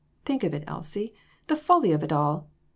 Think of it, Elsie, the folly of it all